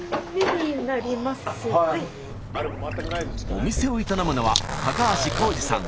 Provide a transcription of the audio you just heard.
お店を営むのは高橋幸嗣さん